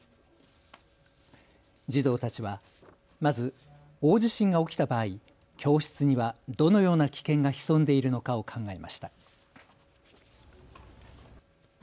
児童たちはまず大地震が起きた場合、教室にはどのような危険が潜んでいるのかを考えました。